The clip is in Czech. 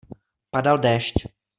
Padal déšť.